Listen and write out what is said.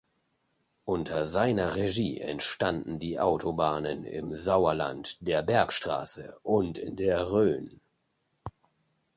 Unter seiner Regie entstanden die Autobahnen im Sauerland, der Bergstraße und in der Rhön.